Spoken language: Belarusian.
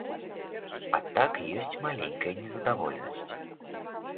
А так ёсць маленькае незадаволенасць.